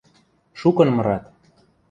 Шукын мырат.